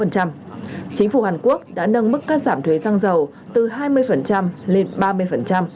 chính phủ hàn quốc đã nâng mức cắt giảm thuế xăng dầu từ hai mươi lên ba mươi